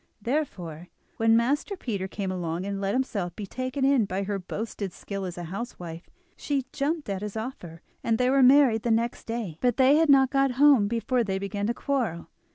Therefore, when Master Peter came along, and let himself be taken in by her boasted skill as a housewife, she jumped at his offer, and they were married the next day. But they had not got home before they began to quarrel.